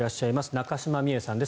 中嶋美恵さんです。